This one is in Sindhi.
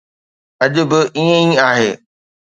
اڄ به ائين ئي آهي.